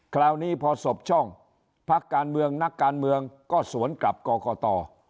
คราวนี้พอสบช่องพักการเมืองนักการเมืองก็สวนกลับกรกต